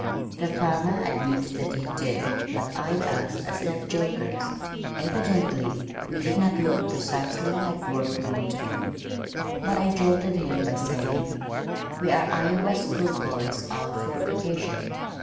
The farmer admitted that he did, but eyed us as if jokers. Evidently we did not look precisely like workmen to him, but I jolted him by saying, "We are Iowa schoolboys out for a vacation.